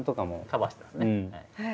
カバーしてますね。